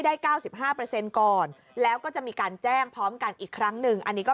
๙๕ก่อนแล้วก็จะมีการแจ้งพร้อมกันอีกครั้งหนึ่งอันนี้ก็